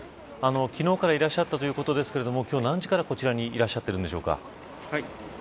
昨日からいらっしゃったということですけれども今日、何時からこちらにいらっしゃってるんでしょうか。